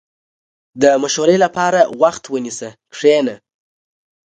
• د مشورې لپاره وخت ونیسه، کښېنه.